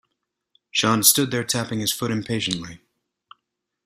Sean stood there tapping his foot impatiently.